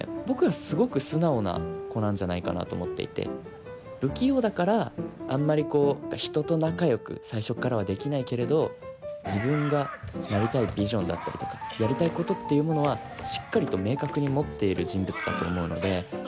僕はすごく素直な子なんじゃないかなと思っていて不器用だからあんまりこう人と仲よく最初っからはできないけれど自分がなりたいビジョンだったりとかやりたいことっていうものはしっかりと明確に持っている人物だと思うので。